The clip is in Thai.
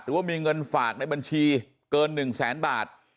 หรือว่ามีเงินฝากในบัญชีเกิน๑๐๐๐๐๐บาท